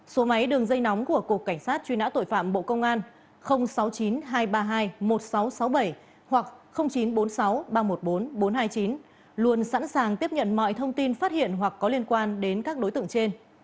số máy đường dây nóng của cục cảnh sát truy nã tội phạm bộ công an sáu mươi chín hai trăm ba mươi hai một nghìn sáu trăm sáu mươi bảy hoặc chín trăm bốn mươi sáu ba trăm một mươi bốn bốn trăm hai mươi chín luôn sẵn sàng tiếp nhận mọi thông tin phát hiện hoặc có liên quan đến các đối tượng trên